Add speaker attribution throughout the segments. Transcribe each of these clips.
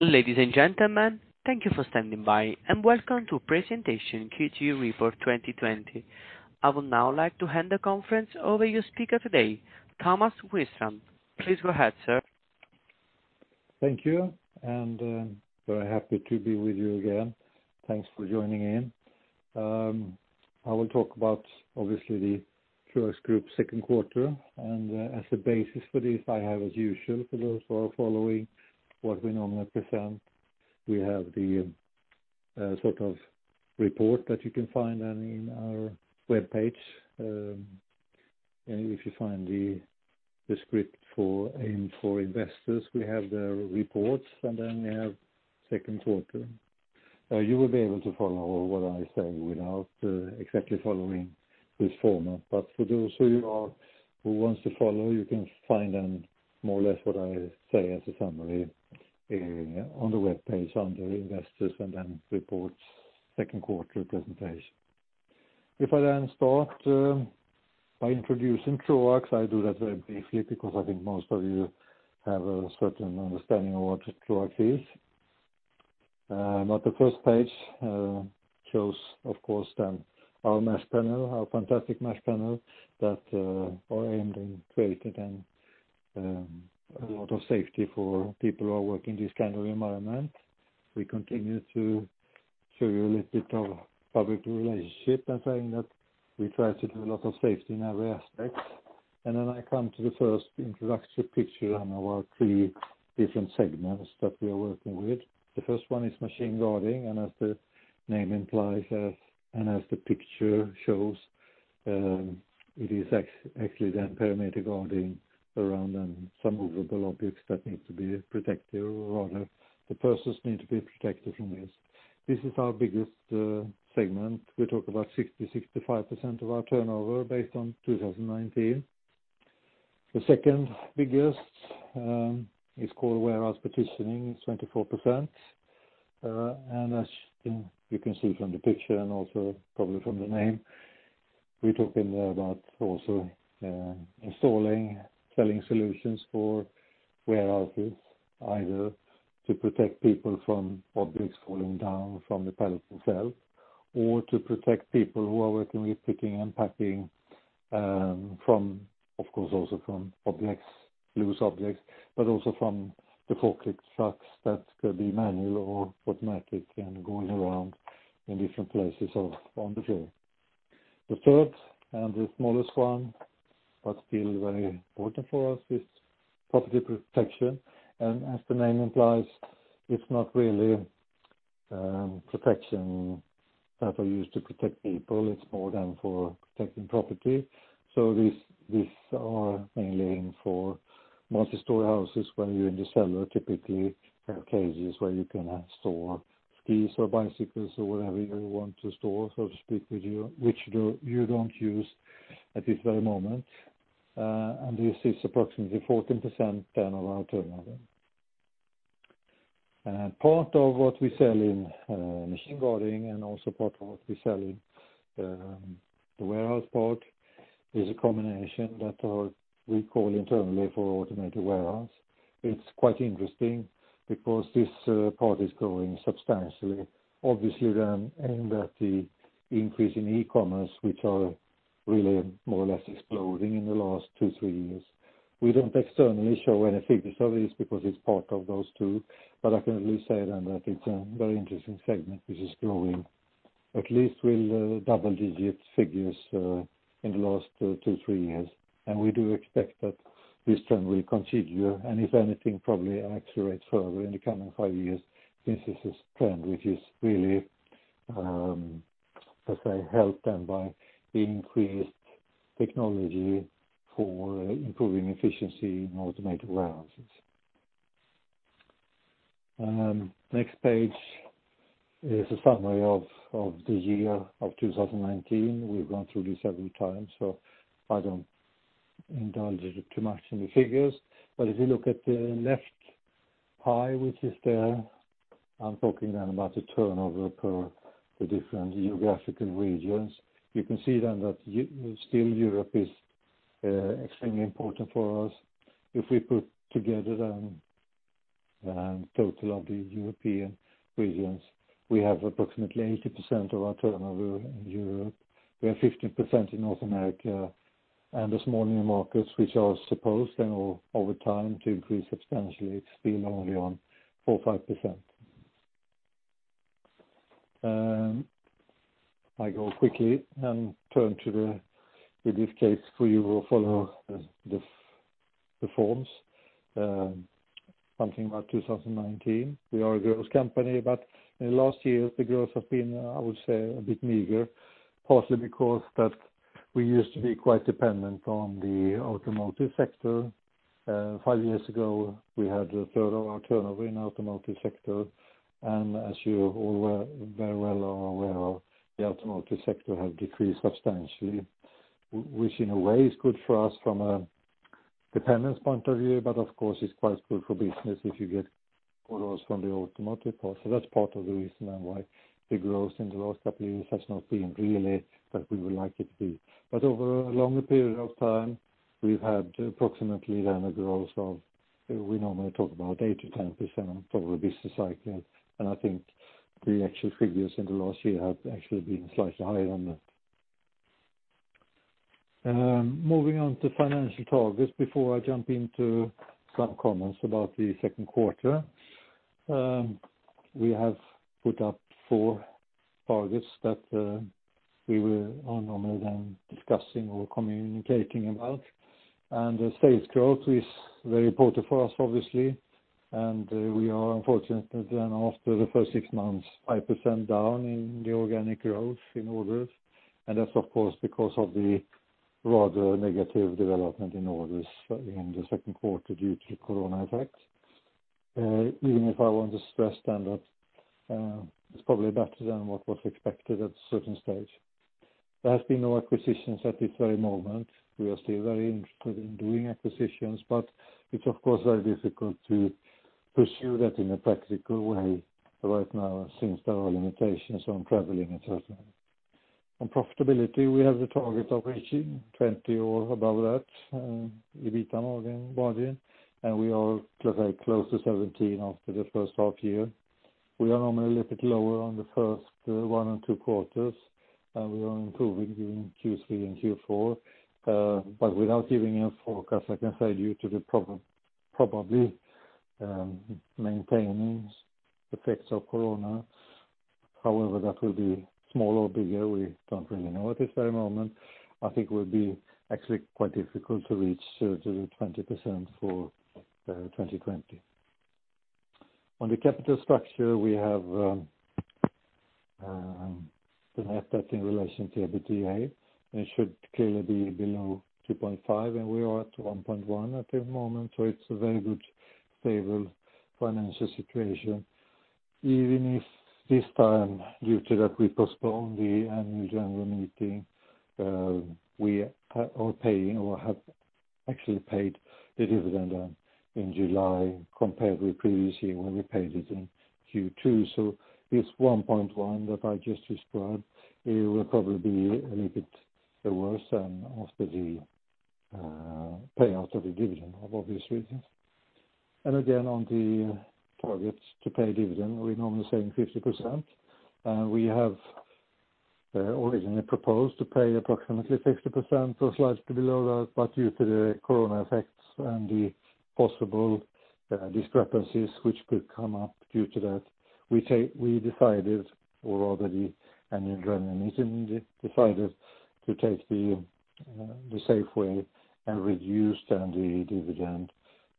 Speaker 1: Ladies and gentlemen, thank you for standing by and welcome to presentation Q2 report 2020. I would now like to hand the conference over to your speaker today, Thomas Widstrand. Please go ahead, sir.
Speaker 2: Thank you. Very happy to be with you again. Thanks for joining in. I will talk about, obviously, the Troax Group second quarter, and as a basis for this, I have, as usual, for those who are following what we normally present, we have the report that you can find in our webpage. If you find the script for investors, we have the reports, and then we have second quarter. You will be able to follow what I say without exactly following this format. For those who wants to follow, you can find more or less what I say as a summary on the webpage under Investors and then Reports, Second Quarter Presentation. If I then start by introducing Troax, I do that very briefly because I think most of you have a certain understanding of what Troax is. The first page shows, of course, then our mesh panel, our fantastic mesh panel, that are aimed and created and a lot of safety for people who are working in this kind of environment. We continue to show you a little bit of public relationship and saying that we try to do a lot of safety in every aspect. Then I come to the first introductory picture on our three different segments that we are working with. The first one is machine guarding, and as the name implies and as the picture shows, it is actually then perimeter guarding around some movable objects that need to be protected, or rather, the persons need to be protected from this. This is our biggest segment. We talk about 60%-65% of our turnover based on 2019. The second biggest is called warehouse partitioning. It's 24%. As you can see from the picture and also probably from the name, we're talking there about also installing, selling solutions for warehouses either to protect people from objects falling down from the pallet themselves, or to protect people who are working with picking and packing, of course, also from loose objects, but also from the forklift trucks that could be manual or automatic and going around in different places on the floor. The third and the smallest one, but still very important for us is property protection. As the name implies, it's not really protection that are used to protect people, it's more than for protecting property. These are mainly aimed for multi-story houses where you're in the cellar, typically, you have cages where you can store skis or bicycles or whatever you want to store, so to speak with you, which you don't use at this very moment. This is approximately 14% of our turnover. Part of what we sell in machine guarding and also part of what we sell in the warehouse part is a combination that we call internally for automated warehouse. It's quite interesting because this part is growing substantially. Obviously, aimed at the increase in e-commerce, which are really more or less exploding in the last two, three years. We don't externally show any figures of this because it's part of those two, but I can at least say then that it's a very interesting segment which is growing at least with double-digit figures in the last two, three years. We do expect that this trend will continue, and if anything, probably accelerate further in the coming five years. This is a trend which is really, let's say, helped then by increased technology for improving efficiency in automated warehouses. Next page is a summary of the year of 2019. We’ve gone through this several times, so I don’t indulge too much in the figures. If you look at the left pie, which is there, I’m talking then about the turnover per the different geographical regions. You can see then that still Europe is extremely important for us. If we put together the total of the European regions, we have approximately 80% of our turnover in Europe. We have 15% in North America and the smaller markets, which are supposed then over time to increase substantially, still only on 4% or 5%. I go quickly and turn to the, in this case, for you who follow the forms, something about 2019. We are a growth company, in the last year, the growth have been, I would say, a bit meager, partly because that we used to be quite dependent on the automotive sector. Five years ago, we had a third of our turnover in automotive sector, as you all are very well aware of, the automotive sector has decreased substantially, which in a way is good for us from a dependence point of view, of course, it's quite good for business if you get orders from the automotive part. That's part of the reason then why the growth in the last couple of years has not been really that we would like it to be. Over a longer period of time, we normally talk about 8%-10% over a business cycle, and I think the actual figures in the last year have actually been slightly higher than that. Moving on to financial targets before I jump into some comments about the second quarter. We have put up four targets that we were normally discussing or communicating about. Sales growth is very important for us, obviously, and we are unfortunately, after the first six months, 5% down in the organic growth in orders. That's of course because of the rather negative development in orders in the second quarter due to corona effects. Even if I want to stress then that it's probably better than what was expected at a certain stage. There has been no acquisitions at this very moment. We are still very interested in doing acquisitions, but it's of course, very difficult to pursue that in a practical way right now since there are limitations on traveling, et cetera. On profitability, we have the target of reaching 20% or above that EBITDA margin, and we are very close to 17% after the first half year. We are normally a little bit lower on the first one and two quarters, and we are improving during Q3 and Q4. Without giving a forecast, I can say due to the probably maintaining effects of COVID-19. However, that will be smaller or bigger. We don't really know at this very moment. I think it will be actually quite difficult to reach 17%-20% for 2020. On the capital structure we have, the net debt in relation to EBITDA. It should clearly be below 2.5x, and we are at 1.1x at the moment, so it's a very good stable financial situation. Even if this time, due to that we postponed the annual general meeting, we are paying or have actually paid the dividend in July compared with previous year when we paid it in Q2. This 1.1x that I just described, it will probably be a little bit worse than after the payout of the dividend, obviously. Again, on the targets to pay dividend, we're normally saying 50%. We have originally proposed to pay approximately 60% or slightly below that. Due to the Corona effects and the possible discrepancies which could come up due to that, we decided, or rather the annual general meeting decided to take the safe way and reduce then the dividend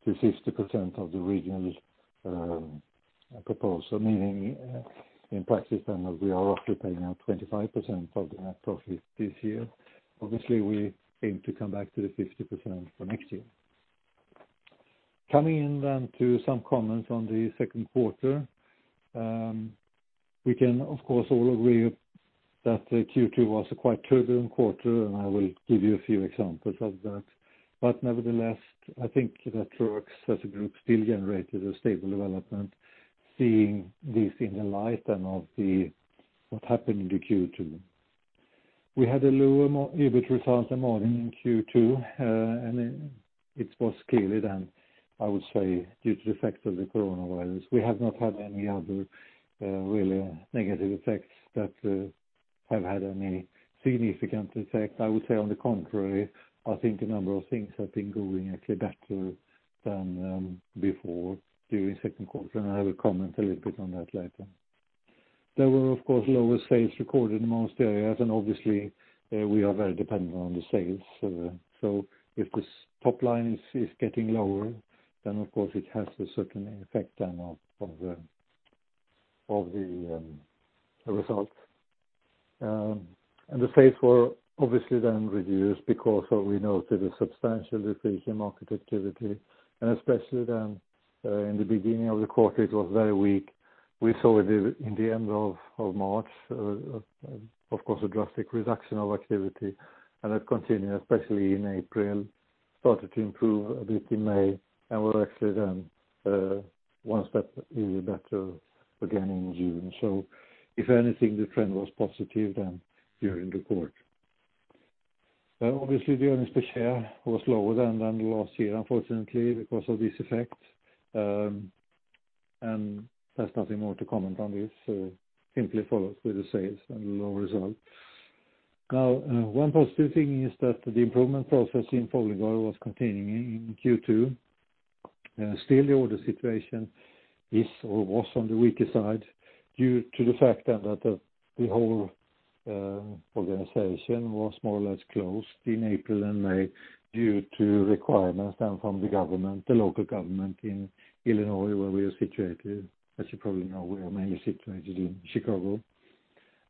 Speaker 2: to 50% of the original proposal. Meaning in practice then that we are roughly paying out 25% of the net profit this year. Obviously, we aim to come back to the 50% for next year. Coming in then to some comments on the second quarter. We can, of course, all agree that Q2 was a quite turbulent quarter, and I will give you a few examples of that. Nevertheless, I think that Troax as a group still generated a stable development, seeing this in the light then of what happened in the Q2. We had a lower EBIT result than normal in Q2. It was clearly then, I would say, due to the effects of the coronavirus. We have not had any other really negative effects that have had any significant effect. I would say on the contrary, I think a number of things have been going actually better than before during second quarter, and I will comment a little bit on that later. There were, of course, lower sales recorded in most areas and obviously we are very dependent on the sales. If this top line is getting lower, then of course it has a certain effect then of the results. The sales were obviously then reduced because of we noted a substantial decrease in market activity and especially then in the beginning of the quarter, it was very weak. We saw it in the end of March, of course, a drastic reduction of activity and that continued especially in April, started to improve a bit in May and were actually then one step even better again in June. If anything, the trend was positive then during the quarter. Obviously the earnings per share was lower than last year, unfortunately because of this effect. There's nothing more to comment on this. Simply follows with the sales and lower results. One positive thing is that the improvement process in Folding Guard was continuing in Q2. Still the order situation is or was on the weaker side due to the fact then that the whole organization was more or less closed in April and May due to requirements then from the government, the local government in Illinois where we are situated. As you probably know, we are mainly situated in Chicago.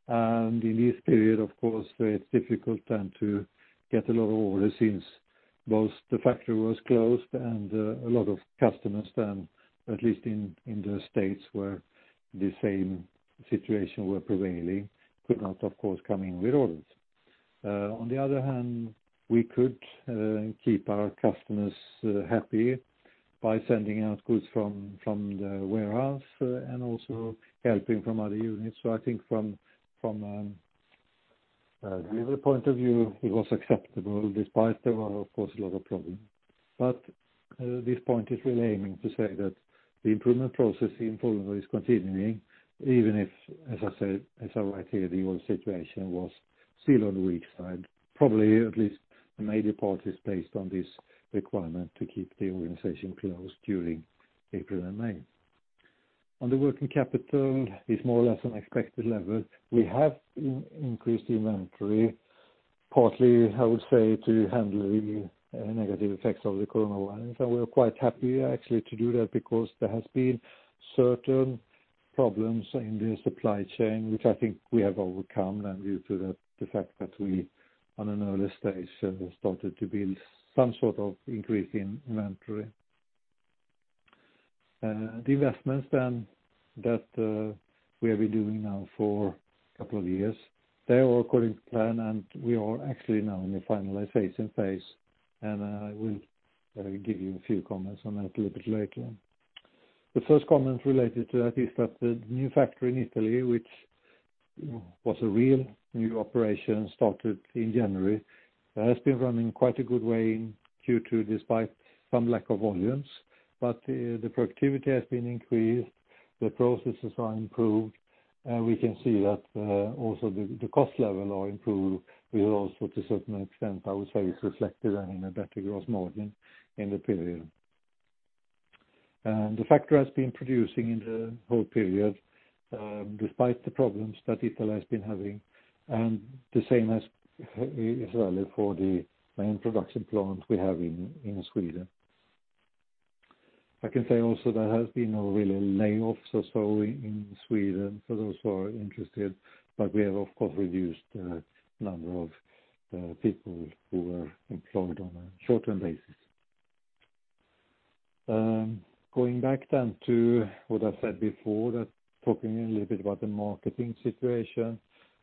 Speaker 2: In this period, of course, it's difficult then to get a lot of orders since both the factory was closed and a lot of customers then, at least in the U.S. where the same situation were prevailing, could not of course, come in with orders. On the other hand, we could keep our customers happy by sending out goods from the warehouse and also helping from other units. I think From the point of view, it was acceptable despite there were, of course, a lot of problems. This point is really aiming to say that the improvement process in Folding Guard is continuing, even if, as I write here, the whole situation was still on the weak side, probably at least the major part is based on this requirement to keep the organization closed during April and May. On the working capital, is more or less an expected level. We have increased the inventory, partly, I would say, to handle the negative effects of the coronavirus, and we're quite happy actually to do that because there has been certain problems in the supply chain, which I think we have overcome and due to the fact that we, on an early stage, have started to build some sort of increase in inventory. The investments that we have been doing now for a couple of years, they are according to plan, and we are actually now in the finalization phase. I will give you a few comments on that a little bit later. The first comment related to that is that the new factory in Italy, which was a real new operation, started in January, has been running quite a good way in Q2 despite some lack of volumes. The productivity has been increased, the processes are improved. We can see that also the cost level are improved. We are also, to a certain extent, I would say, it's reflected in a better gross margin in the period. The factory has been producing in the whole period, despite the problems that Italy has been having, and the same as well for the main production plant we have in Sweden. I can say also there has been no really layoffs or so in Sweden for those who are interested, but we have, of course, reduced the number of people who were employed on a short-term basis. Going back then to what I said before, that talking a little bit about the marketing situation,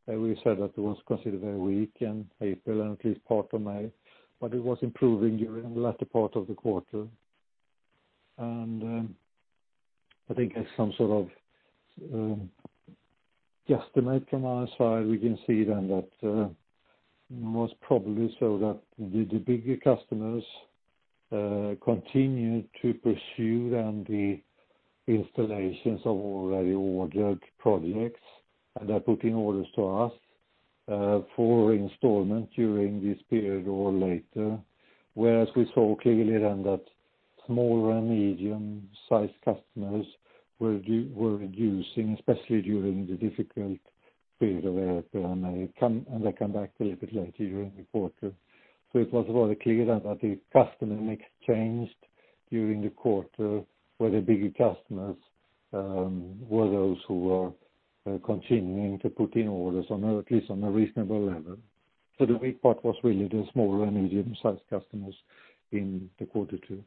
Speaker 2: we said that it was considered very weak in April and at least part of May, but it was improving during the latter part of the quarter. I think as some sort of guesstimate from our side, we can see then that most probably so that the bigger customers continued to pursue then the installations of already ordered projects, and they're putting orders to us for installment during this period or later. Whereas we saw clearly then that small- and medium-sized customers were reducing, especially during the difficult period of April and May, and they come back a little bit later during the quarter. It was rather clear that the customer mix changed during the quarter, where the bigger customers were those who were continuing to put in orders at least on a reasonable level. The weak part was really the small- and medium-sized customers in the Q2.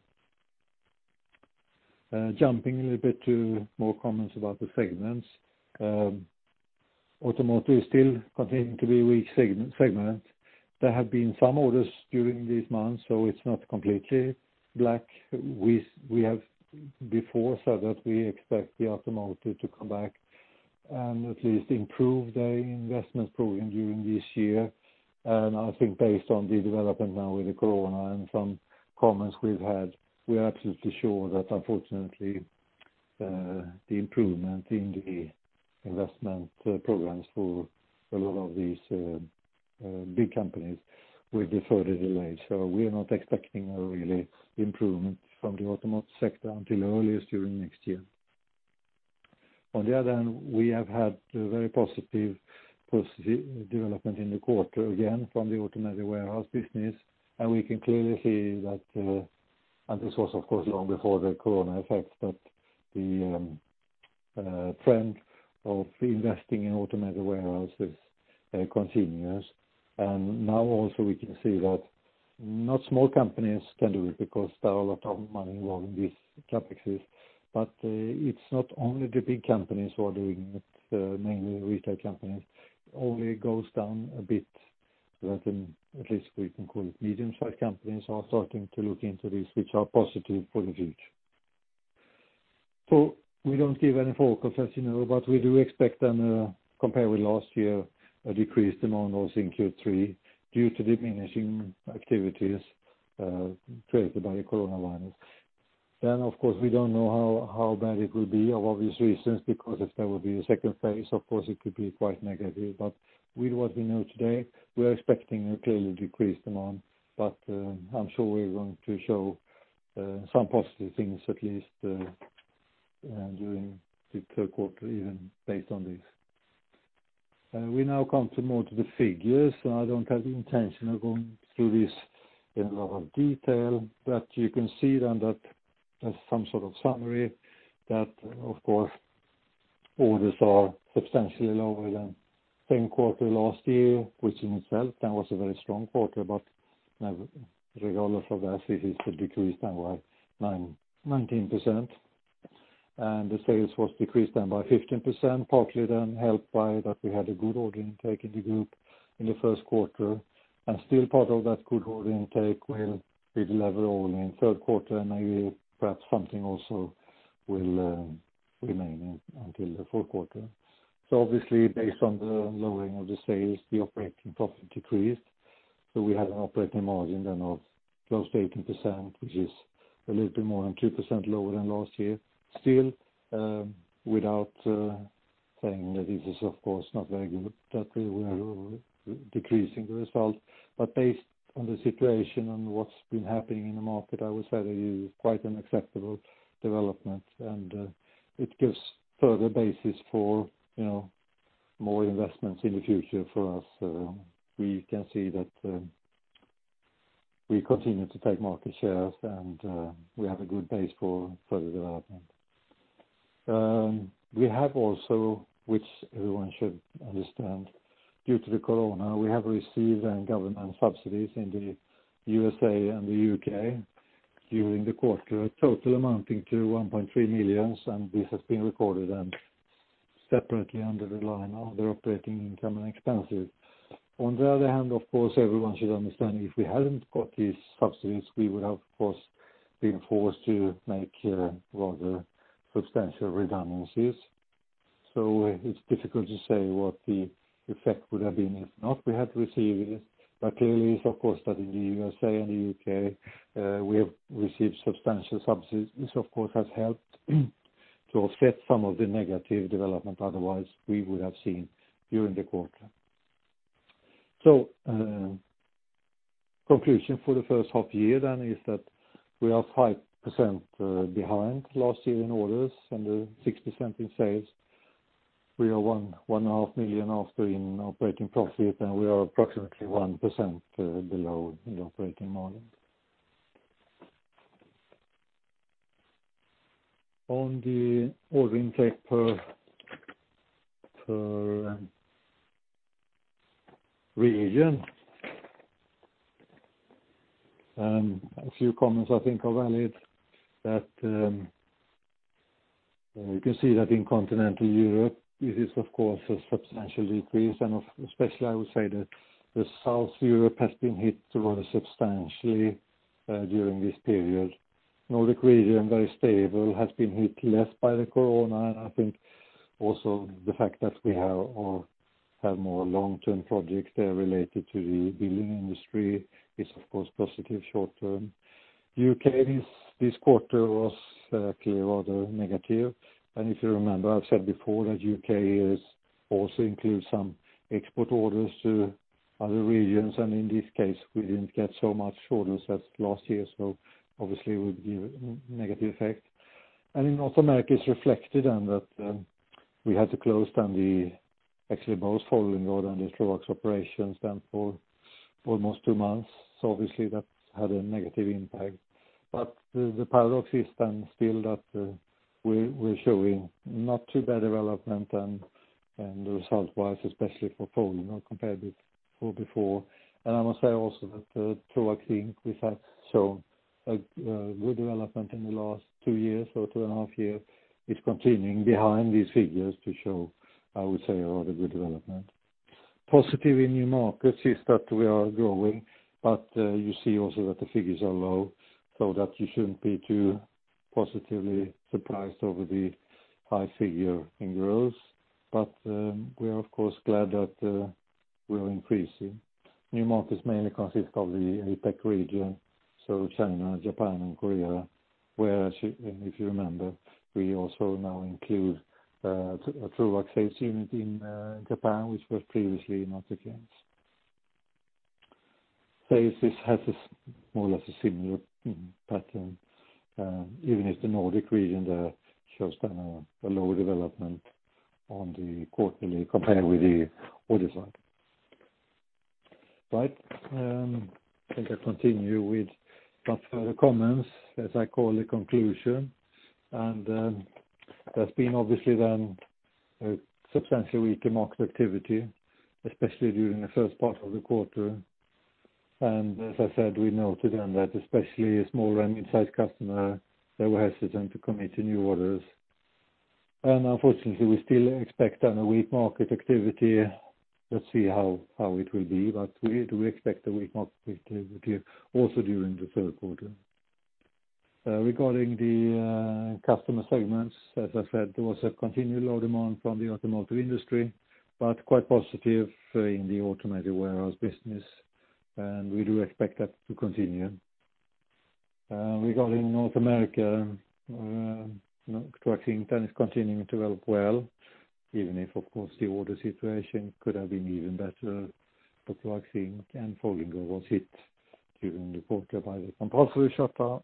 Speaker 2: Jumping a little bit to more comments about the segments. Automotive still continuing to be a weak segment. There have been some orders during these months, so it's not completely black. We have before said that we expect the automotive to come back and at least improve their investment program during this year. I think based on the development now with the corona and some comments we've had, we are absolutely sure that unfortunately, the improvement in the investment programs for a lot of these big companies will be further delayed. We are not expecting a real improvement from the automotive sector until earliest during next year. On the other hand, we have had a very positive development in the quarter, again from the automated warehouse business, and we can clearly see that, and this was of course long before the corona effect, that the trend of investing in automated warehouse continues. Now also we can see that not small companies can do it because there are a lot of money involved in these CapExes, but it's not only the big companies who are doing it, mainly retail companies. Only goes down a bit that at least we can call it medium-sized companies are starting to look into this, which are positive for the future. We don't give any focus, as you know, we do expect then, compared with last year, a decreased amount also in Q3 due to diminishing activities created by the coronavirus. Of course, we don't know how bad it will be for obvious reasons, if there will be a second phase, of course it could be quite negative. With what we know today, we are expecting a clearly decreased amount, I'm sure we're going to show some positive things at least during the third quarter, even based on this. We now come to more to the figures. I don't have the intention of going through this in a lot of detail, but you can see then that as some sort of summary that, of course, orders are substantially lower than same quarter last year, which in itself, that was a very strong quarter, but regardless of that, it is a decrease then by 19%. The sales was decreased then by 15%, partly then helped by that we had a good order intake in the group in the first quarter, and still part of that good order intake will deliver only in third quarter, and maybe perhaps something also will remain until the fourth quarter. Obviously, based on the lowering of the sales, the operating profit decreased. We had an operating margin then of close to 18%, which is a little bit more than 2% lower than last year. Without saying that this is, of course, not very good that we are decreasing the result, but based on the situation and what's been happening in the market, I would say that it is quite an acceptable development, and it gives further basis for more investments in the future for us. We can see that we continue to take market shares, and we have a good base for further development. We have also, which everyone should understand, due to the COVID-19, we have received government subsidies in the U.S.A. and the U.K. during the quarter, total amounting to 1.3 million, and this has been recorded separately under the line other operating income and expenses. Of course, everyone should understand if we hadn't got these subsidies, we would have, of course, been forced to make rather substantial redundancies. It's difficult to say what the effect would have been if not we had received it. Clearly, of course, that in the U.S.A. and the U.K., we have received substantial subsidies. This, of course, has helped to offset some of the negative development otherwise we would have seen during the quarter. Conclusion for the first half year then is that we are 5% behind last year in orders and 60% in sales. We are 1.5 million after in operating profit, and we are approximately 1% below the operating margin. On the order intake per region. A few comments I think are valid that you can see that in Continental Europe, it is, of course, a substantial decrease. Especially, I would say that the South Europe has been hit rather substantially during this period. Nordic region, very stable, has been hit less by the COVID-19. I think also the fact that we have more long-term projects there related to the building industry is, of course, positive short-term. U.K. this quarter was clearly rather negative. If you remember, I've said before that U.K. also includes some export orders to other regions. In this case, we didn't get so much orders as last year, so obviously would give a negative effect. In North America, it's reflected in that we had to close down actually both Folding Guard and the Troax operations then for almost two months. Obviously that had a negative impact. The paradox is then still that we're showing not too bad development and results-wise, especially for Folding Guard compared with before. I must say also that Troax, I think we've had shown a good development in the last two years or two and a half years. It's continuing behind these figures to show, I would say, a rather good development. Positive in new markets is that we are growing, but you see also that the figures are low, so that you shouldn't be too positively surprised over the high figure in growth. We are of course glad that we are increasing. New markets mainly consist of the APAC region, so China, Japan, and Korea, where if you remember, we also now include a Troax sales unit in Japan, which was previously not the case. Sales has more or less a similar pattern, even if the Nordic region there shows the lower development on the quarterly compared with the order side. I think I continue with what further comments, as I call the conclusion. There's been obviously then a substantial weak market activity, especially during the first part of the quarter. As I said, we noted then that especially a smaller midsize customer, they were hesitant to commit to new orders. Unfortunately, we still expect a weak market activity. Let's see how it will be, but we do expect a weak market activity also during the third quarter. Regarding the customer segments, as I said, there was a continued low demand from the automotive industry, but quite positive in the automated warehouse business, and we do expect that to continue. Regarding North America, Troax Inc. then is continuing to develop well, even if, of course, the order situation could have been even better for Troax Inc., and Folding Guard was hit during the quarter by the compulsory shutdown.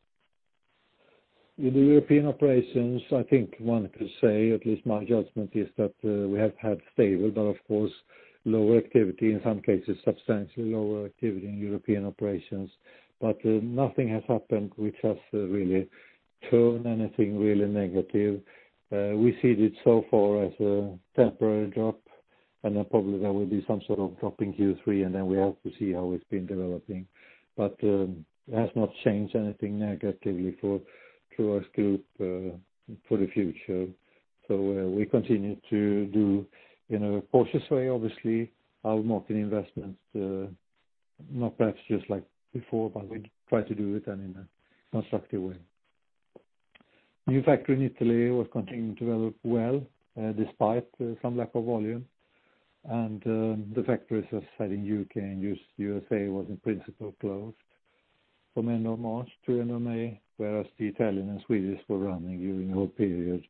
Speaker 2: In the European operations, I think one could say, at least my judgment is that we have had stable but of course, lower activity, in some cases substantially lower activity in European operations. Nothing has happened which has really shown anything really negative. We see it so far as a temporary drop, and then probably there will be some sort of drop in Q3, and then we have to see how it's been developing. It has not changed anything negatively for Troax Group for the future. We continue to do in a cautious way, obviously, our market investments, not perhaps just like before, but we try to do it and in a constructive way. New factory in Italy was continuing to develop well, despite some lack of volume. The factories as said in U.K. and U.S.A. was in principle closed from end of March to end of May, whereas the Italian and Swedish were running during the whole period,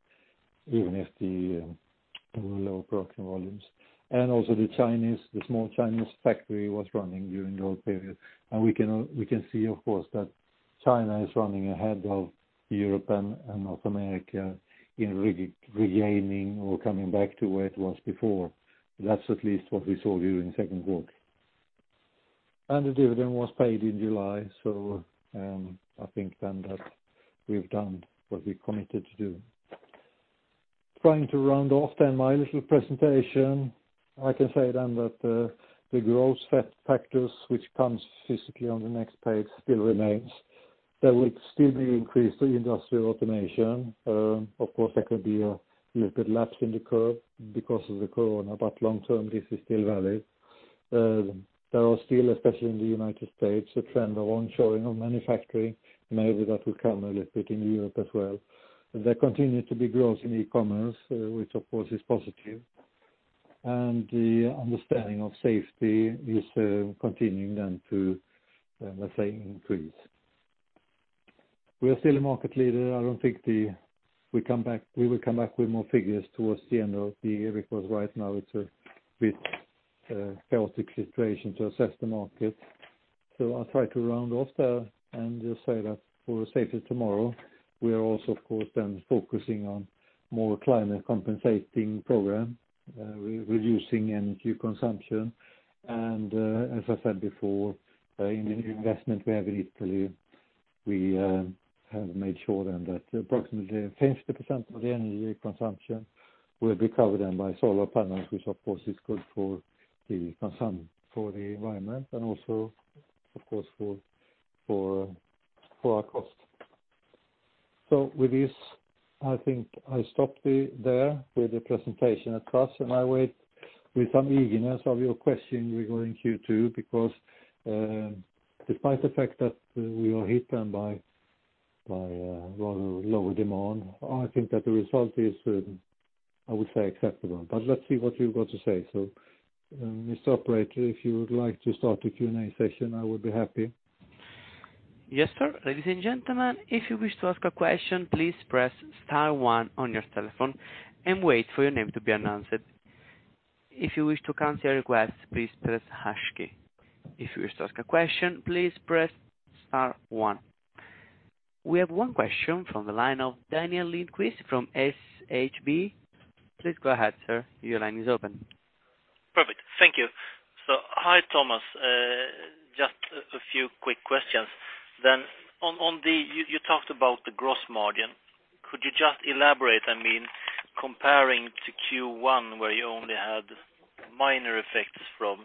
Speaker 2: even if there were low production volumes. Also the small Chinese factory was running during the whole period. We can see, of course, that China is running ahead of Europe and North America in regaining or coming back to where it was before. That's at least what we saw during second quarter. The dividend was paid in July. I think then that we've done what we committed to do. Trying to round off then my little presentation, I can say then that the growth factors, which comes physically on the next page, still remains. There will still be increased industrial automation. Of course, there could be a little bit lapse in the curve because of the COVID-19, but long term, this is still valid. There are still, especially in the U.S., a trend of onshoring of manufacturing. Maybe that will come a little bit in Europe as well. There continue to be growth in e-commerce, which of course is positive. The understanding of safety is continuing then to, let's say, increase. We are still a market leader. We will come back with more figures towards the end of the year, because right now it's a bit chaotic situation to assess the market. I'll try to round off there and just say that for a safer tomorrow, we are also of course then focusing on more climate compensating program, reducing energy consumption. As I said before, in the new investment we have in Italy, we have made sure then that approximately 50% of the energy consumption will be covered then by solar panels, which of course is good for the environment and also of course for our cost. With this, I think I stop there with the presentation. Of course, I wait with some eagerness of your question regarding Q2 because, despite the fact that we are hit then by rather lower demand, I think that the result is, I would say acceptable. Let's see what you got to say. Mr. Operator, if you would like to start the Q&A session, I would be happy.
Speaker 1: Yes Sir, ladies and gentlemen if you wish to ask a question please press star one on your telephone and wait your name to be announced. If you wish to cancel the request please press the hash key. If you wish to ask a question please press star one. We have one question from the line of Daniel Lindkvist from SHB. Please go ahead, sir. Your line is open.
Speaker 3: Perfect. Thank you. Hi, Thomas. Just a few quick questions then. You talked about the gross margin. Could you just elaborate, comparing to Q1 where you only had minor effects from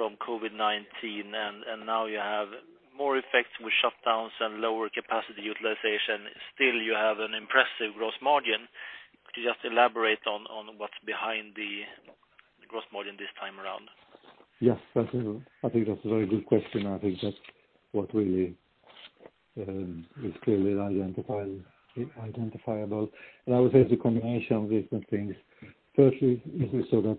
Speaker 3: COVID-19 and now you have more effects with shutdowns and lower capacity utilization, still you have an impressive gross margin. Could you just elaborate on what's behind the gross margin this time around?
Speaker 2: Yes. I think that's a very good question. I think that's what really is clearly identifiable. I would say it's a combination of different things. Firstly, we saw that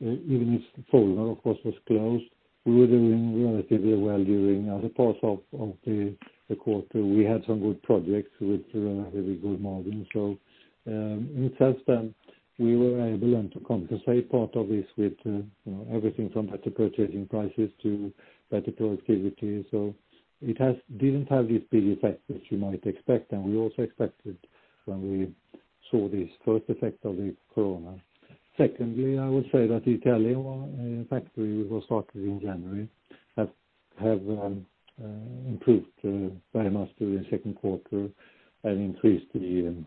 Speaker 2: even if Folding Guard, of course, was closed, we were doing relatively well during the course of the quarter. We had some good projects with really good margin. In itself then, we were able then to compensate part of this with everything from better purchasing prices to better productivity. It didn't have this big effect that you might expect, and we also expected when we saw these first effects of the corona. Secondly, I would say that the Italian factory we got started in January have improved very much during the second quarter and increased the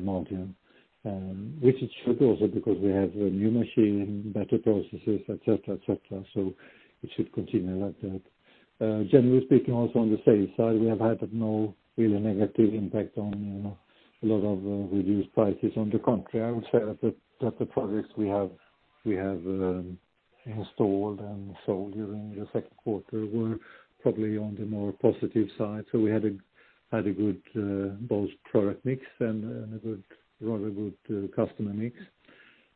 Speaker 2: margin, which it should also because we have a new machine, better processes, et cetera. It should continue like that. Generally speaking, also on the sales side, we have had no really negative impact on a lot of reduced prices. On the contrary, I would say that the projects we have installed and sold during the second quarter were probably on the more positive side. We had a good both product mix and a rather good customer mix.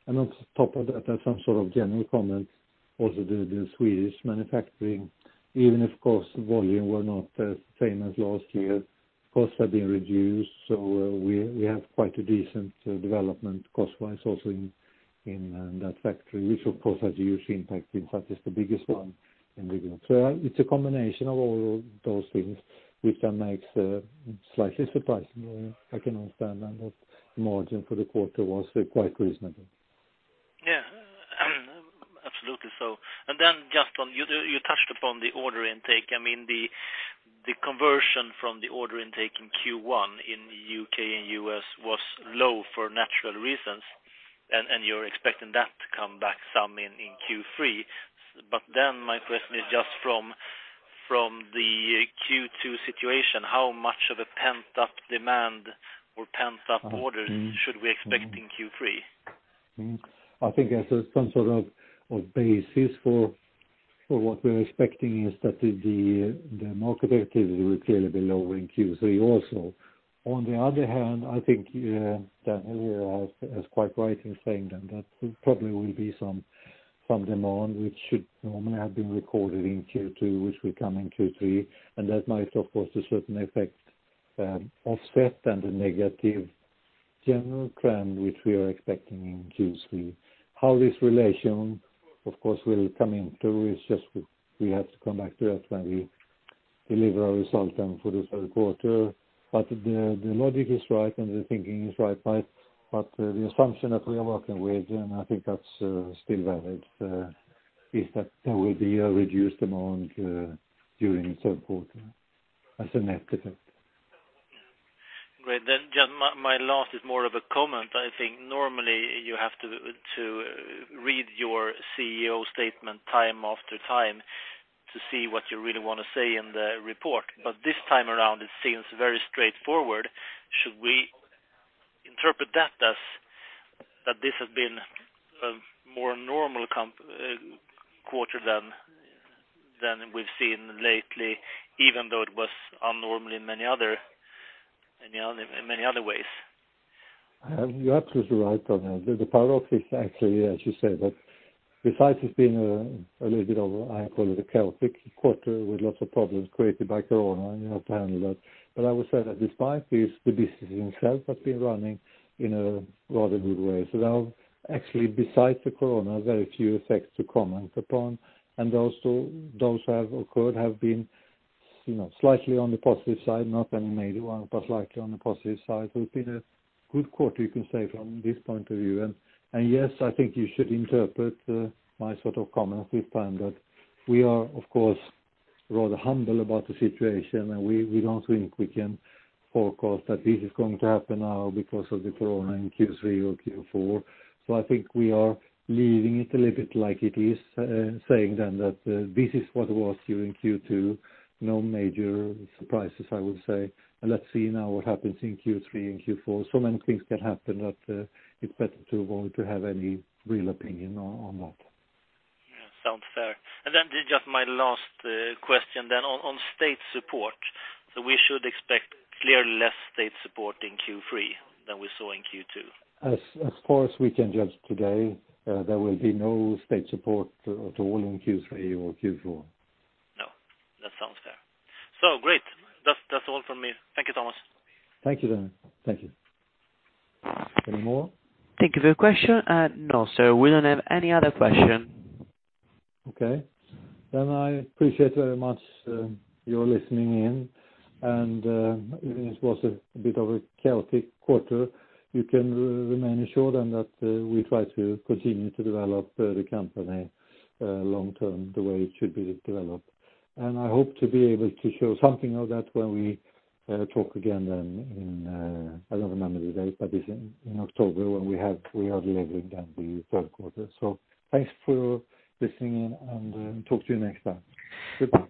Speaker 2: On top of that, as some sort of general comment, also the Swedish manufacturing, even if of course volume were not the same as last year, costs have been reduced. We have quite a decent development cost-wise also in that factory, which of course has a huge impact since that is the biggest one in the Group. It's a combination of all those things which then makes slightly surprising, I can understand then that the margin for the quarter was quite reasonable.
Speaker 3: Yeah. Absolutely. Just you touched upon the order intake. The conversion from the order intake in Q1 in U.K. and U.S. was low for natural reasons, and you're expecting that to come back some in Q3. My question is just from the Q2 situation, how much of a pent-up demand or pent-up orders should we expect in Q3?
Speaker 2: I think as some sort of basis for what we're expecting is that the market activity will clearly be low in Q3 also. On the other hand, I think Daniel here is quite right in saying that there probably will be some demand, which should normally have been recorded in Q2, which will come in Q3, and that might, of course, a certain effect, offset and a negative general trend, which we are expecting in Q3. How this relation, of course, will come into is just, we have to come back to it when we deliver our result then for this third quarter. The logic is right and the thinking is right, but the assumption that we are working with, and I think that's still valid, is that there will be a reduced amount during the third quarter as a net effect.
Speaker 3: Just my last is more of a comment. I think normally you have to read your CEO statement time after time to see what you really want to say in the report. This time around, it seems very straightforward. Should we interpret that as that this has been a more normal quarter than we've seen lately, even though it was unnormally in many other ways?
Speaker 2: You're absolutely right, Daniel. The paradox is actually, as you say, that besides it's been a little bit of, I call it a chaotic quarter with lots of problems created by Corona, and you have to handle that. I would say that despite this, the business itself has been running in a rather good way. There are actually, besides the Corona, very few effects to comment upon, and those who have occurred have been slightly on the positive side, not any major one, but slightly on the positive side. It's been a good quarter, you can say, from this point of view. Yes, I think you should interpret my sort of comments this time that we are, of course, rather humble about the situation, and we don't think we can forecast that this is going to happen now because of the Corona in Q3 or Q4. I think we are leaving it a little bit like it is, saying that this is what it was during Q2. No major surprises, I would say. Let's see now what happens in Q3 and Q4. Many things can happen that it's better to avoid to have any real opinion on that.
Speaker 3: Yeah, sounds fair. Just my last question then on state support. We should expect clearly less state support in Q3 than we saw in Q2?
Speaker 2: As far as we can judge today, there will be no state support at all in Q3 or Q4.
Speaker 3: No, that sounds fair. Great. That's all from me. Thank you so much.
Speaker 2: Thank you, Daniel. Thank you. Any more?
Speaker 1: Thank you for your question, and no, sir, we don't have any other question.
Speaker 2: I appreciate very much your listening in. Even if it was a bit of a chaotic quarter, you can remain assured and that we try to continue to develop the company long term the way it should be developed. I hope to be able to show something of that when we talk again then in, I don't remember the date, but it's in October when we are delivering then the third quarter. Thanks for listening in, and talk to you next time. Goodbye.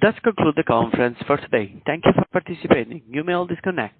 Speaker 1: That conclude the conference for today. Thank you for participating. You may all disconnect.